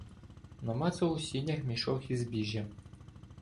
Намацав у сінях мішок зі збіжжям.